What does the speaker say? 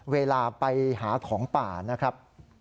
เวลาไปหาของป่านะครับ